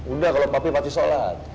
udah kalau papi mati sholat